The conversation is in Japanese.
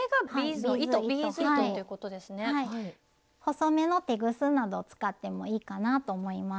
細めのテグスなどを使ってもいいかなと思います。